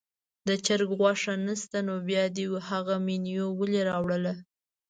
د چرګ غوښه نه شته نو بیا دې هغه مینو ولې راوړله.